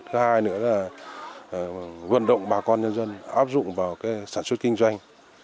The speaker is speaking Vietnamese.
thay nữa là vận động bà con dân dân áp dụng vào sản xuất kinh doanh